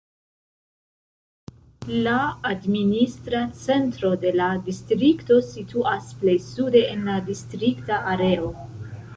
La administra centro de la distrikto situas plej sude en la distrikta areo.